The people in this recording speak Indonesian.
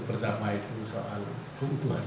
pertama itu soal keutuhan